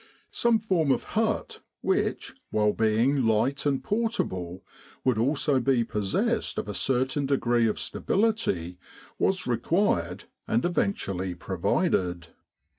Some form of hut which, while being light and portable, would also be possessed of a certain degree of stability, was required and eventually provided.